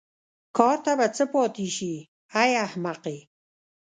کار ته به څه پاتې شي ای احمقې.